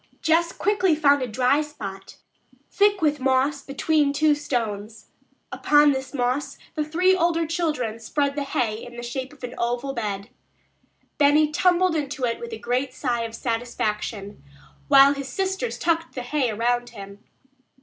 Jess quickly found a dry spot thick with moss between two stones. Upon this moss the three older children spread the hay in the shape of an oval bed. Benny tumbled into it with a great sigh of satisfaction, while his sisters tucked the hay around him.